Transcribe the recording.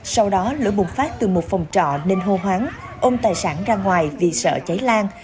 sau đó lửa bùng phát từ một phòng trọ nên hô hoáng ôm tài sản ra ngoài vì sợ cháy lan